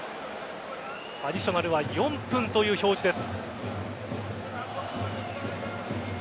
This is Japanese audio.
アディショナルは４分という表示です。